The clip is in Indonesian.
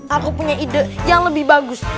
aku punya ide yang lebih bagus